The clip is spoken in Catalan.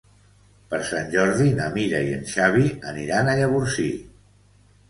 Per Sant Jordi na Mira i en Xavi aniran a Llavorsí.